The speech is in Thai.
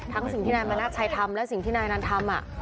ทั้งสิ่งที่นายมานัดใช้ทำและสิ่งที่นายอานันท์ทำ